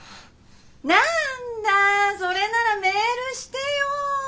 何だそれならメールしてよ！